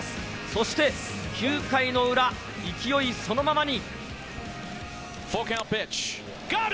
そして９回の裏、勢いそのままに。